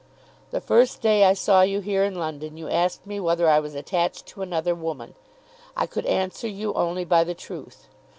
The first day I saw you here in London you asked me whether I was attached to another woman. I could answer you only by the truth.